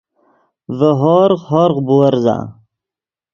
ڤے ہورغ، ہورغ بُورزا